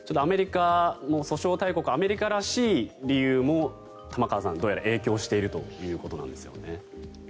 訴訟大国アメリカらしい理由も玉川さん、どうやら影響しているということなんですよね。